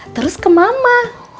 terus ke mama